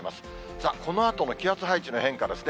さあ、このあとの気圧配置の変化ですね。